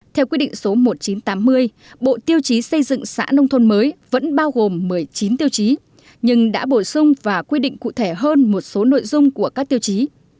theo quyết định số một nghìn chín trăm tám mươi bộ tiêu chí xây dựng xã nông thôn mới vẫn bao gồm một mươi chín tiêu chí nhưng đã bổ sung và quy định cụ thể hơn một số nội dung của các tiêu chí